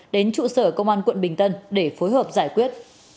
đến trụ sở công an quận bình tân để phối hợp giải quyết